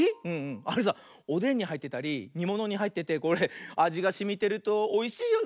あれさおでんにはいってたりにものにはいっててこれあじがしみてるとおいしいよね。